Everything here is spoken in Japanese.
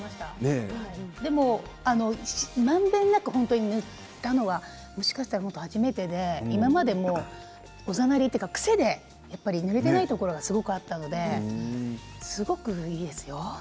でも、まんべんなく塗ったのがもしかしたら初めてで今までもおざなりというか、癖で塗れてないところがあったのですごくいいですよ。